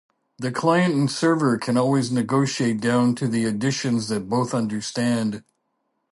The client and server can always negotiate down to the additions that both understand.